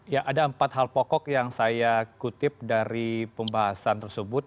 ya ada empat hal pokok yang saya kutip dari pembahasan tersebut